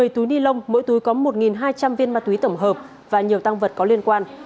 một mươi túi ni lông mỗi túi có một hai trăm linh viên ma túy tổng hợp và nhiều tăng vật có liên quan